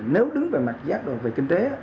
nếu đứng về mặt giá đồ về kinh tế